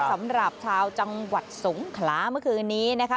สำหรับชาวจังหวัดสงขลาเมื่อคืนนี้นะคะ